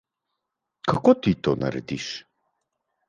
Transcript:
Kako ti to narediš?